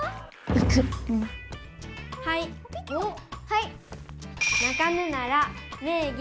はい！